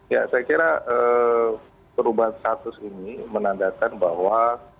ya saya kira perubahan status ini menandakan bahwa